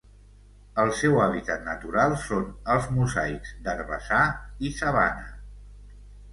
El seu hàbitat natural són els mosaics d'herbassar i sabana.